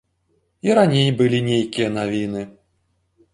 І раней былі нейкія навіны.